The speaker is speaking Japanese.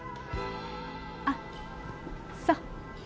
あっそう。